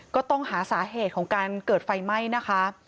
ก็ต้องหาสาเหตุของการเกิดไฟไหม้นะคะ